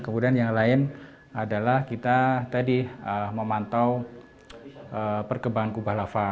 kemudian yang lain adalah kita tadi memantau perkembangan kubah lava